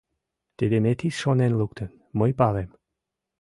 — Тиде метис шонен луктын, мый палем!